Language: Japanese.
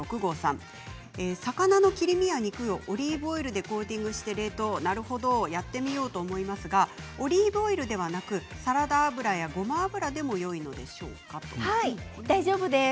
魚の切り身や肉をオリーブオイルでコーティングして冷凍なるほど、やってみようと思いますがオリーブオイルではなくサラダ油やごま油でも大丈夫です。